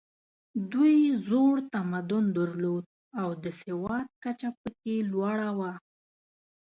دوی زوړ تمدن درلود او د سواد کچه پکې لوړه وه.